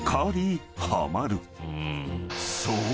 ［そう。